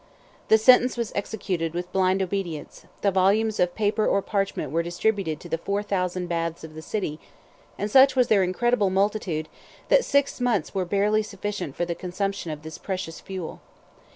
The sentence was executed with blind obedience: the volumes of paper or parchment were distributed to the four thousand baths of the city; and such was their incredible multitude, that six months were barely sufficient for the consumption of this precious fuel.